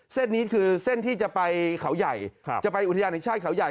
เส้นนี้คือเส้นที่จะไปเขาใหญ่จะไปอุทยานแห่งชาติเขาใหญ่